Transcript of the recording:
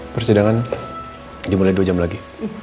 persidangan dimulai dua jam lagi